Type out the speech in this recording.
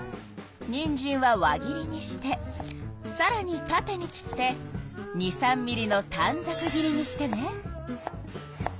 にんじんは輪切りにしてさらにたてに切って２３ミリのたんざく切りにしてね。